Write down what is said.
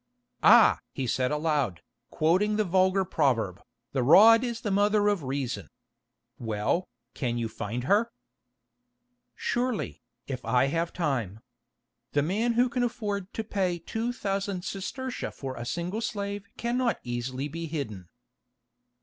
"Ah!" he said aloud, quoting the vulgar proverb, "'the rod is the mother of reason.' Well, can you find her?" "Surely, if I have time. The man who can afford to pay two thousand sestertia for a single slave cannot easily be hidden."